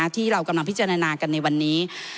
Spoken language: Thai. ที่เรากำลังพิจารณากันในวันนี้